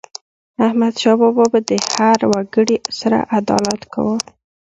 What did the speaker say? احمدشاه بابا به د هر وګړي سره عدالت کاوه.